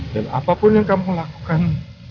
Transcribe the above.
dan apapun yang kamu lakukan